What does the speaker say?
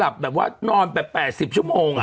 หลับแบบว่านอนแบบ๘๐ชั่วโมงอ่ะ